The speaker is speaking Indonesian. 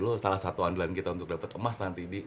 lu salah satu andalan kita untuk dapet emas nanti